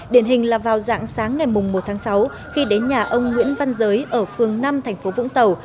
điển hình là vào dạng sáng ngày mùng một tháng sáu khi đến nhà ông nguyễn văn giới ở phương năm tp vũng tàu